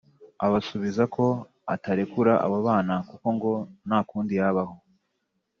abasubiza ko atarekura abo bana kuko ngo nta kundi yabaho